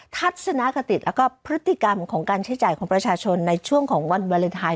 ทัศนคติแล้วก็พฤติกรรมของการใช้จ่ายของประชาชนในช่วงของวันวาเลนไทย